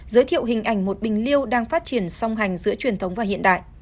giới thiệu hình ảnh một bình liêu đang phát triển song hành giữa truyền thống và hiện đại